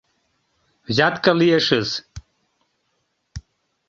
— Взятка лиешыс...